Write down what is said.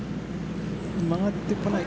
曲がってこない。